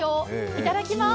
いただきます。